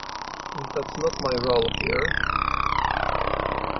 That's not my role here.